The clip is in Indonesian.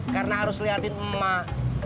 karena harus liatin emak